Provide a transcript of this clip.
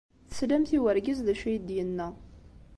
Teslamt i urgaz d acu ay d-yenna.